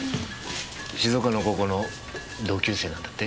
静岡の高校の同級生なんだって？